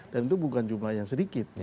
dan itu bukan jumlah yang sedikit